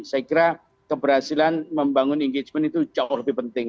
saya kira keberhasilan membangun engagement itu jauh lebih penting